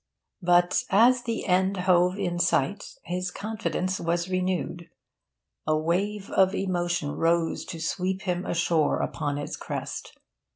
But, as the end hove in sight, his confidence was renewed. A wave of emotion rose to sweep him ashore upon its crest.